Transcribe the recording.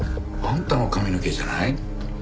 あんたの髪の毛じゃない？